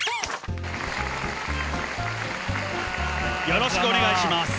よろしくお願いします。